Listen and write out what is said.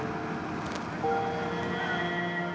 aku menang re incarcerasi